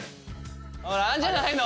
ほらあんじゃないの？